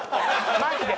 マジで。